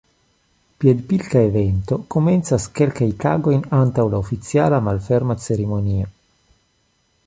Piedpilka evento komencas kelkajn tagojn antaŭ la oficiala malferma ceremonio.